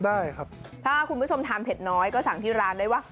ได้ครับถ้าคุณผู้ชมทานเผ็ดน้อยก็สั่งที่ร้านได้ว่า